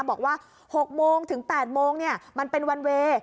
บอกว่า๖โมงถึง๘โมงมันเป็นวันเวย์